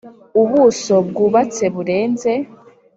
Ubuso bwubatse burenze